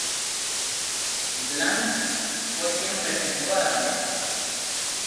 Blunt fue quien presentó a la pareja.